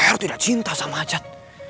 r tidak cinta sama hajat